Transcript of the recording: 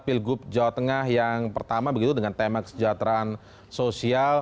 pilgub jawa tengah yang pertama begitu dengan tema kesejahteraan sosial